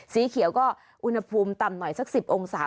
สีเขียวก็อุณหภูมิต่ำหน่อยสัก๑๐องศา